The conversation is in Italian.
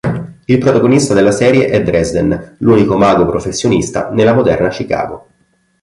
Il protagonista della serie è Dresden, l'unico mago professionista nella moderna Chicago.